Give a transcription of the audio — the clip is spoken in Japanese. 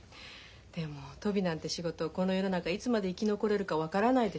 でもトビなんて仕事この世の中いつまで生き残れるか分からないでしょう。